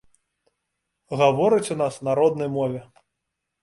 Гавораць у нас на роднай мове.